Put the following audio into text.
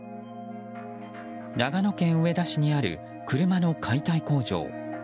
長野県上田市にある車の解体工場。